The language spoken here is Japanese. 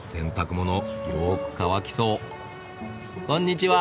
こんにちは！